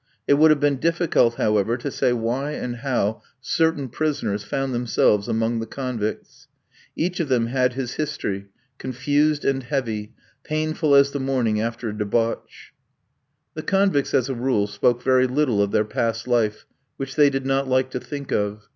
It would have been difficult, however, to say why and how certain prisoners found themselves among the convicts. Each of them had his history, confused and heavy, painful as the morning after a debauch. The convicts, as a rule, spoke very little of their past life, which they did not like to think of.